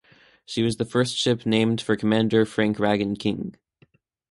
She was the first ship named for Commander Frank Ragan King.